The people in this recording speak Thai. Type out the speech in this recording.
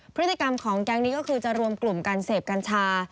พฤติกรรมของแก๊งนี้ก็คือจะรวมกลุ่มการเสพกัญชา